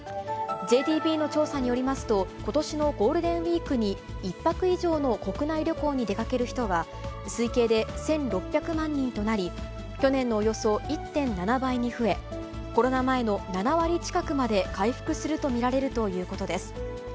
ＪＴＢの調査によりますと、ことしのゴールデンウィークに１泊以上の国内旅行に出かける人は、推計で１６００万人となり、去年のおよそ１．７倍に増え、コロナ前の７割近くまで回復すると見られるということです。